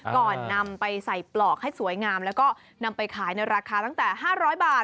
ก่อนนำไปใส่ปลอกให้สวยงามแล้วก็นำไปขายในราคาตั้งแต่๕๐๐บาท